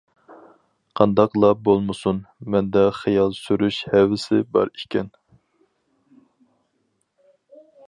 قانداقلا بولمىسۇن، مەندە خىيال سۈرۈش ھەۋىسى بار ئىكەن.